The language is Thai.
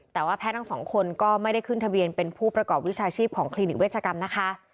แต่ว่าแพทย์ทั้งสองคนก็ไม่ได้ขึ้นทะเบียนเป็นผู้ประกอบวิชาชีพของคลินิกเวชกรรมนะคะ